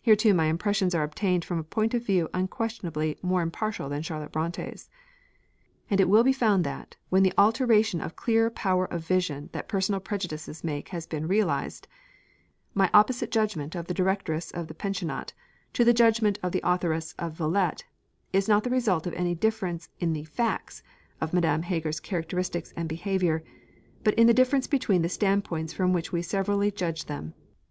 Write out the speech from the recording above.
Here too my impressions are obtained from a point of view unquestionably more impartial than Charlotte Brontë's. And it will be found that, when the alteration of clear power of vision that personal prejudices make has been realised, my opposite judgment of the Directress of the Pensionnat to the judgment of the authoress of Villette, is not the result of any difference in the facts of Madame Heger's characteristics and behaviour, but in the difference between the standpoints from which we severally judge them.